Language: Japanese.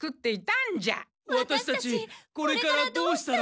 ワタシたちこれからどうしたら。